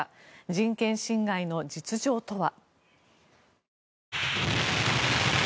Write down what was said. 人権侵害の実情とは。